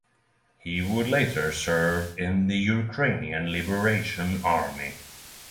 He would later serve in the Ukrainian Liberation Army.